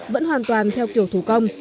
vẫn hoàn toàn theo kiểu thủ công